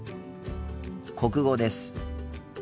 国語です。